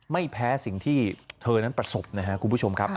ไม่แพ้สิ่งที่เธอนั้นประสบนะครับคุณผู้ชมครับ